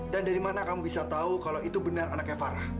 dan dari mana kamu bisa tahu kalau itu benar anaknya farah